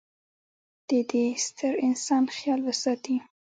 د د ې ستر انسان خیال وساتي.